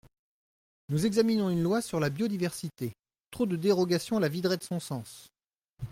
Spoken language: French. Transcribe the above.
Nous examinons une loi sur la biodiversité ; trop de dérogations la videraient de son sens.